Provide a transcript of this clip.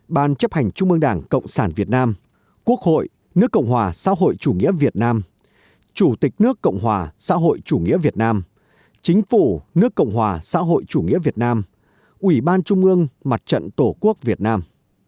ban chấp hành trung ương đảng cộng sản việt nam quốc hội nước cộng hòa xã hội chủ nghĩa việt nam chủ tịch nước cộng hòa xã hội chủ nghĩa việt nam chính phủ nước cộng hòa xã hội chủ nghĩa việt nam ủy ban trung ương mặt trận tổ quốc việt nam